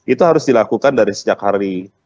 itu harus dilakukan dari sejak hari